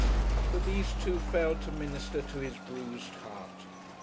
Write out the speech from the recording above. But these, too, failed to minister to his bruised heart.